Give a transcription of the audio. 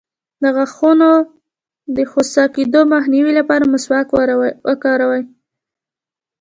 د غاښونو د خوسا کیدو مخنیوي لپاره مسواک وکاروئ